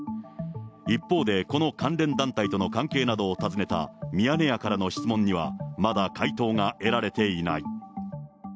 一方でこの関連団体との関係などを尋ねたミヤネ屋からの質問には、まだ回答が得られていない。